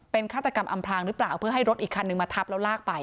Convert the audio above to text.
เป็นฆาตกรรมอำพลางหรือเปล่าเพื่อให้รถอีกคันนึงมาทับแล้วลากไป